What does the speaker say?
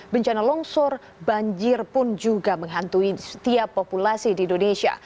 bencana longsor banjir pun juga menghantui setiap populasi di indonesia